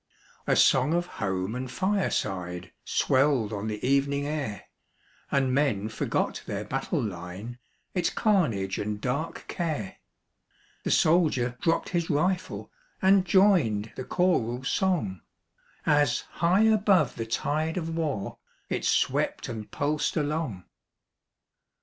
A song of home and fireside Swelled on the evening air, And men forgot their battle line, Its carnage and dark care ; The soldier dropp'd his rifle And joined the choral song, As high above the tide of war It swept and pulsed along.